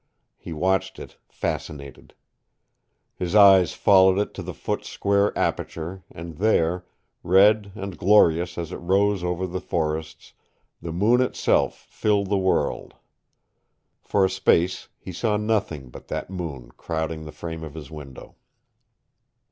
He watched it, fascinated. His eyes followed it to the foot square aperture, and there, red and glorious as it rose over the forests, the moon itself filled the world. For a space he saw nothing but that moon crowding the frame of his window.